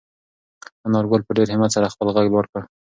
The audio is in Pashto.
انارګل په ډېر همت سره خپل غږ لوړ کړ.